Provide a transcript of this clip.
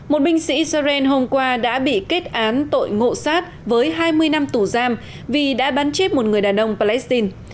một binh sĩ israel hôm qua đã bị kết án tội ngộ sát với hai mươi năm tù giam vì đã bắn chết một người đàn ông palestine